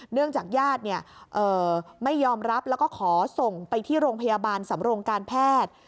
เนื่องจากญาติไม่ยอมรับแล้วก็ขอส่งไปที่โรงพยาบาลสำรงการแพทย์